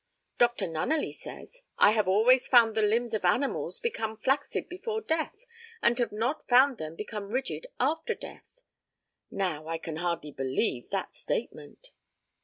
Dr. Nunneley says, "I have always found the limbs of animals become flaccid before death, and have not found them become rigid after death." Now, I can hardly believe that statement.